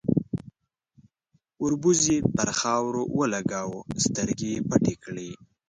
، وربوز يې پر خاورو ولګاوه، سترګې يې پټې کړې.